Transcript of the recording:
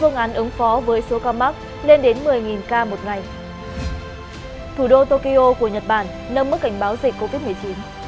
nâng mức cảnh báo dịch covid một mươi chín